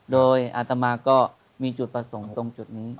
โดยอาตมาก็มีจุดประสงค์ตรงจุดนี้